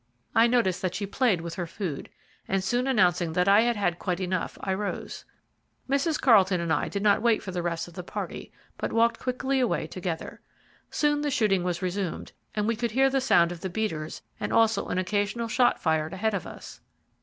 I noticed that she played with her food, and soon announcing that I had had quite enough, I rose. Mrs. Carlton and I did not wait for the rest of the party, but walked quickly away together. Soon the shooting was resumed, and we could hear the sound of the beaters, and also an occasional shot fired ahead of us.